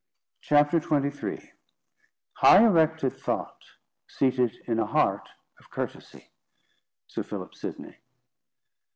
CHAPTER XXIII "High erected thought, seated in a heart of courtesy." SIR PHILIP SIDNEY.